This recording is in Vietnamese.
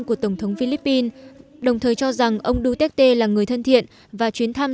của tổng thống philippines đồng thời cho rằng ông duterte là người thân thiện và chuyến thăm